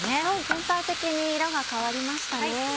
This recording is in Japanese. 全体的に色が変わりましたね。